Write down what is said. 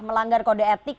melanggar kode etik